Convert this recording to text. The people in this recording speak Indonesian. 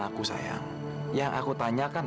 aku sayang yang aku tanyakan